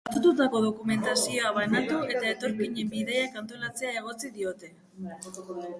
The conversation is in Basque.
Faltsututako dokumentazioa banatu eta etorkinen bidaiak antolatzea egotzi diote.